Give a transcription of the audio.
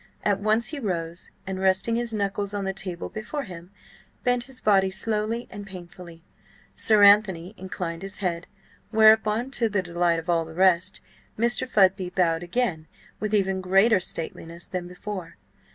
At once he rose, and resting his knuckles on the table before him, bent his body slowly and painfully. Sir Anthony inclined his head, whereupon, to the delight of all the rest, Mr. Fudby bowed again with even greater stateliness than before.